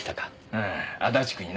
うん足立区にな。